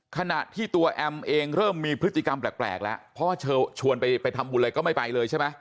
ขณะที่ตัวแอมเองเริ่มมีพฤติกรรมแปลกแล้วเพราะว่าเธอชวนไปทำบุญอะไรก็ไม่ไปเลยใช่ไหม